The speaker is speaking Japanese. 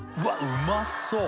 うまそう！